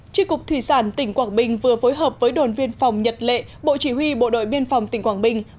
tri cục thủy sản tỉnh quảng bình vừa phối hợp với đồn biên phòng nhật lệ bộ chỉ huy bộ đội biên phòng tỉnh quảng bình